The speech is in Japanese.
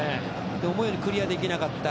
思うようにクリアできなかった。